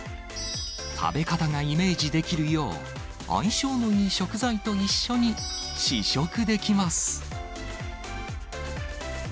食べ方がイメージできるよう、相性のよい食材と一緒に試食できます。